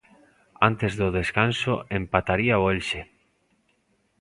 Antes do descanso empataría o Elxe.